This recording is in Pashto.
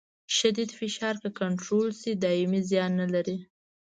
شدید فشار که کنټرول شي دایمي زیان نه لري.